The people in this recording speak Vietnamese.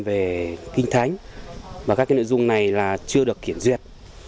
về kinh thánh và các cái nội dung này là chưa được kiển duyệt